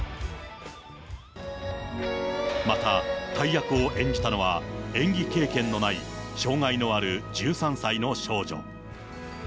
また大役を演じたのは、演技経験のない、障害のある１３歳の少女。